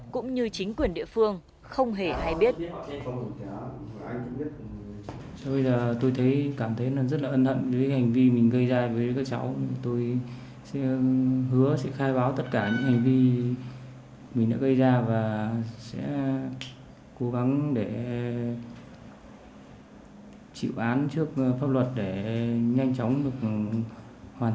cũng như chính quyền địa phương không hề hay biết